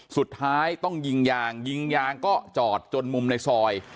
สุดท้ายต้องยิงยางยิงยางก็จอดจนมุมในซอย